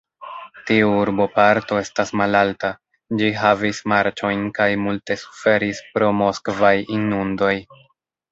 Tiu urboparto estas malalta; ĝi havis marĉojn kaj multe suferis pro moskvaj inundoj.